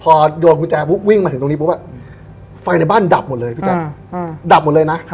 พอดวงมุนแจวิ่งมาถึงตรงนี้ไฟในบ้านดับหมดเลย